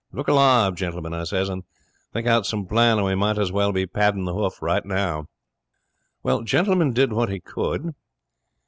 Look alive, Gentleman," I says, "and think out some plan, or we might as well be padding the hoof now." 'Well, Gentleman did what he could.